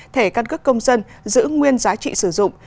thẻ căn cước công dân giữ nguyên giá trị sử dụng